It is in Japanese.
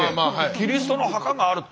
キリストの墓があるって。